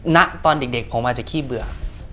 ณตอนเด็กผมอาจจะขี้เบื่อ